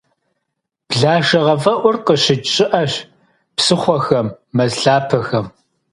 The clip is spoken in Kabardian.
Блэшэгъэфӏэӏур къыщыкӏ щыӏэщ псыхъуэхэм, мэз лъапэхэм.